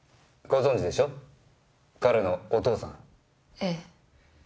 ええ。